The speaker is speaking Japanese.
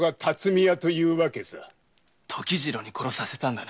時次郎に殺させたんだな？